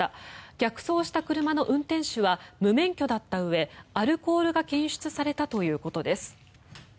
逆走した車の運転手は無免許だったうえアルコールが検出されたということです。